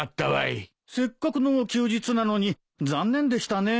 せっかくの休日なのに残念でしたね。